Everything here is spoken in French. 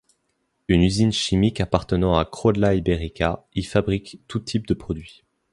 Une usine chimique appartenant à Croda Ibérica y fabrique tous types de produits.